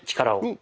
力を？